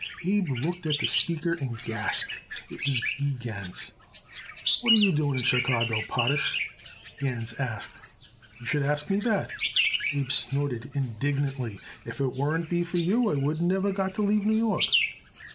Abe looked at the speaker and gasped. It was B. Gans. "What are you doing in Chicago, Potash?" Gans asked. "You should ask me that," Abe snorted indignantly. "If it wouldn't be for you I wouldn't never got to leave New York."